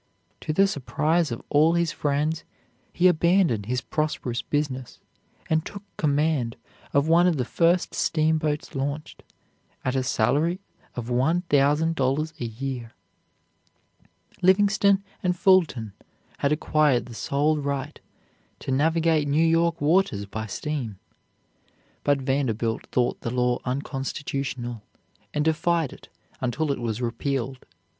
To the surprise of all his friends, he abandoned his prosperous business and took command of one of the first steamboats launched, at a salary of one thousand dollars a year. Livingston and Fulton had acquired the sole right to navigate New York waters by steam, but Vanderbilt thought the law unconstitutional, and defied it until it was repealed.